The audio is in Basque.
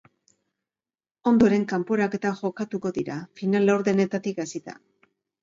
Ondoren, kanporaketak jokatuko dira, final-laurdenetatik hasita.